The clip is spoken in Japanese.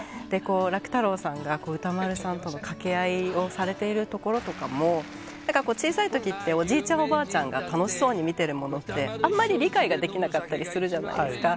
楽太郎さんが歌丸さんとの掛け合いをされているところとかも、小さいときって、おじいちゃん、おばあちゃんが楽しそうに見てるものって、あんまり理解ができなかったりするじゃないですか。